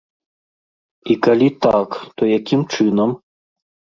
І калі так, то якім чынам?